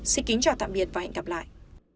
xin kính chào tạm biệt và hẹn gặp lại